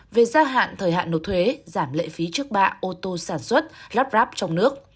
về gia hạn thời hạn nộp thuế giảm lệ phí trước bạ ô tô sản xuất lắp ráp trong nước